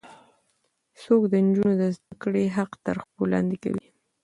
څوک د نجونو د زده کړې حق تر پښو لاندې کوي؟